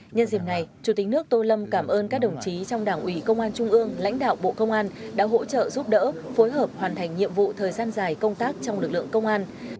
nhân dịp này chủ tịch nước tô lâm cảm ơn các đồng chí trong đảng ủy công an trung ương lãnh đạo bộ công an đã hỗ trợ giúp đỡ phối hợp hoàn thành nhiệm vụ thời gian dài công tác trong lực lượng công an